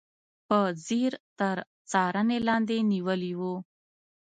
په ځیر تر څارنې لاندې نیولي و.